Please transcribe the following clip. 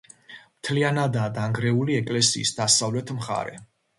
მთლიანადაა დანგრეული ეკლესიის დასავლეთ მხარე.